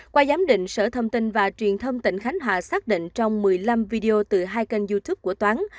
qua giám định sở thông tin và truyền thông tỉnh khánh hòa xác định trong một mươi năm video từ hai kênh youtube của toán